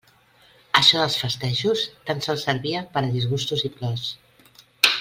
Això dels festejos tan sols servia per a disgustos i plors.